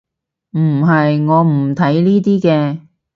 唔係，我唔睇呢啲嘅